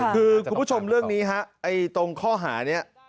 คือคุณผู้ชมเรื่องนี้ฮะตรงข้อหานี้